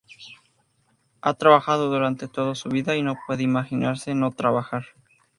Ha trabajado durante toda su vida y no puede imaginarse no trabajar.